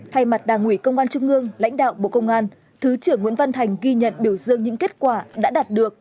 thay mặt đảng ủy công an trung ương lãnh đạo bộ công an thứ trưởng nguyễn văn thành ghi nhận biểu dương những kết quả đã đạt được